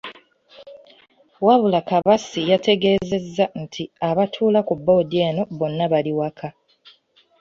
Wabula Kabatsi yategeezezza nti abatuula ku boodi eno bonna bali waka.